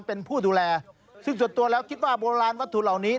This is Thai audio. เป็นผู้ดูแลซึ่งส่วนตัวแล้วคิดว่าโบราณวัตถุเหล่านี้